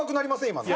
今の。